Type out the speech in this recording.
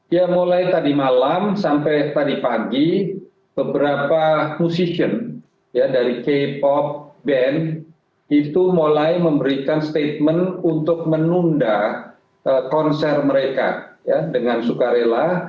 ya mulai tadi malam sampai tadi pagi beberapa musisi dari k pop band itu mulai memberikan statement untuk menunda konser mereka dengan sukarela